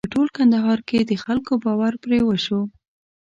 په ټول کندهار کې د خلکو باور پرې وشو.